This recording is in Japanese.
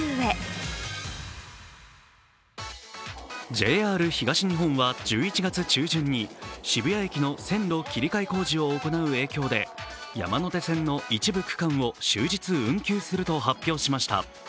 ＪＲ東日本は１１月中旬に渋谷駅の線路切り替え工事を行う影響で山手線の一部区間を終日運休すると発表しました。